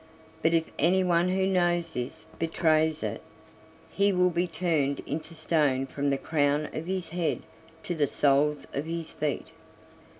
But if anyone who knows this betrays it, he will be turned into stone from the crown of his head to the soles of his feet."